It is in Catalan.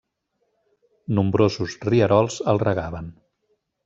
Nombrosos rierols el regaven.